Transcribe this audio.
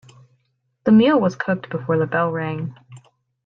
The meal was cooked before the bell rang.